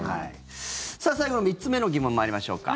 さあ、最後の３つ目の疑問参りましょうか。